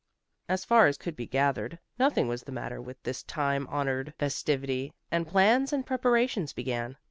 As far as could be gathered, nothing was the matter with this time honored festivity, and plans and preparations began.